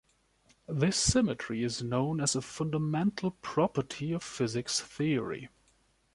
This symmetry is known as a fundamental property of physics’ theory.